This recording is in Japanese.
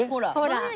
ほら。